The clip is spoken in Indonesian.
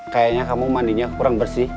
kayaknya kamu mandinya kurang bersih